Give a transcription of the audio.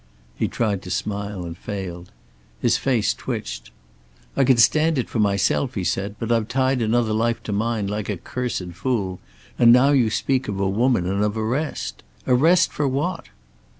He tried to smile and failed. His face twitched. "I could stand it for myself," he said, "but I've tied another life to mine, like a cursed fool, and now you speak of a woman, and of arrest. Arrest! For what?"